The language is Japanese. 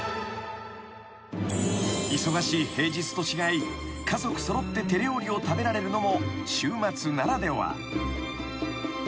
［忙しい平日と違い家族揃って手料理を食べられるのも週末ならでは］